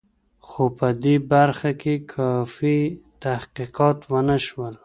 خو په دې برخه کې کافي تحقیقات ونه شول.